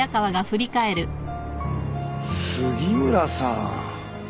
杉村さん。